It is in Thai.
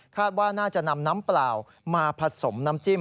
ว่าน่าจะนำน้ำเปล่ามาผสมน้ำจิ้ม